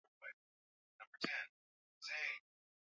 isimila ipo kwenye nyika za iringa